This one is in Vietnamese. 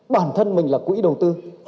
bản thân mình là quỹ đầu tư